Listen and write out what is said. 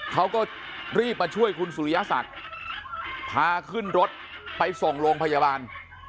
เขาก็รีบมาช่วยคุณสุริยศักดิ์พาขึ้นรถไปส่งโรงพยาบาล